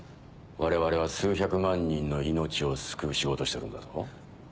我々は数百万人の命を救う仕事をしてるんだぞ。